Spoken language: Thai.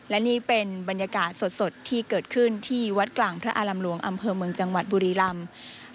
และนี่เป็นบรรยากาศสดที่เกิดขึ้นที่วัดกลางพระอารำลวงอำเภอเมืองจังหวัดบุรีรำ